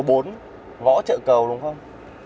võ chợ cầu đúng không